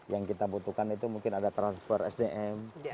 yang kita butuhkan itu mungkin ada transfer sdm